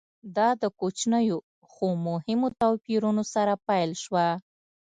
دا د کوچنیو خو مهمو توپیرونو سره پیل شوه